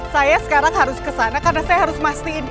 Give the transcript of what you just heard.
saya sekarang harus kesana karena saya harus mastiin